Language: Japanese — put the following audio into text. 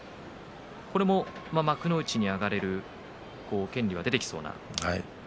これも幕内に上がれる権利は出てきそうですね。